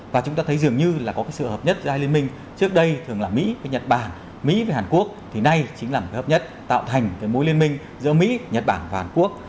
và chúng ta thấy dường như là có sự hợp nhất giai liên minh trước đây thường là mỹ với nhật bản mỹ với hàn quốc thì nay chính là một hợp nhất tạo thành mối liên minh giữa mỹ nhật bản và hàn quốc